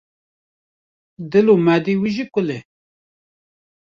dil û madê wî jî kul e.